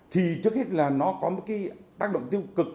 thì trước hết là nó có một cái tác động tiêu cực